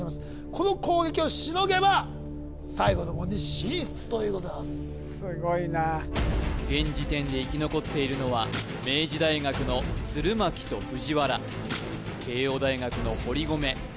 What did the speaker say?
この攻撃をしのげば最後の門に進出ということになりますすごいな現時点で生き残っているのは明治大学の鶴巻と藤原慶應大学の堀籠